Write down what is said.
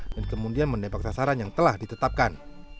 dan kemudian menembak sasaran yang telah ditetapkan